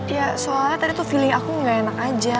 ya soalnya tadi tuh feeling aku nggak enak aja